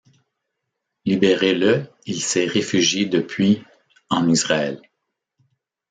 Libéré le il s'est réfugié depuis en Israël.